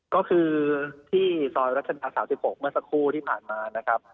ก็คือที่ซอยรัชดา๓๖เมื่อสักครู่ที่ผ่านมานะครับ